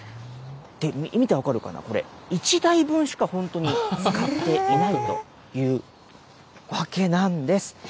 見て分かるかな、これ、１台分しか本当に使っていないというわけなんです。